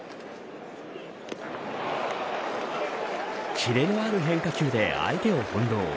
キレのある変化球で相手を翻弄。